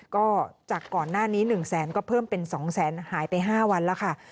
ก็จากก่อนหน้านี้๑แสนก็เพิ่มเป็น๒แสนหายไป๕วันแล้วค่ะ